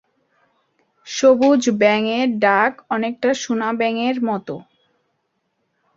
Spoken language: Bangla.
সবুজ ব্যাঙের ডাক অনেকটা সোনা ব্যাঙের মতো।